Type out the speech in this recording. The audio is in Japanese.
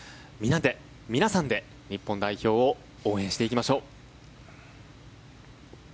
皆さんで、日本代表を応援していきましょう。